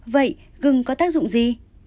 vậy gừng có tác dụng gì